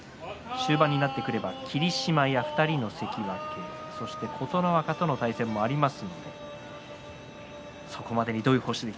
豊昇龍へ終盤になりますと霧島や２人の関脇そして琴ノ若との対戦もあります。